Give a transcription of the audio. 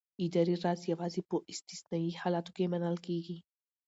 اداري راز یوازې په استثنايي حالاتو کې منل کېږي.